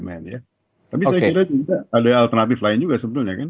tapi saya kira ada alternatif lain juga sebetulnya kan